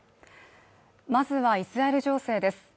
まずはイスラエル情勢です